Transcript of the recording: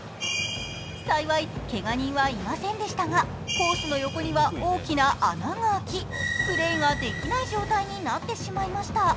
幸い、けが人はいませんでしたがコースの横には大きな穴が開き、プレーができない状態になってしまいました。